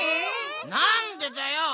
なんでだよ！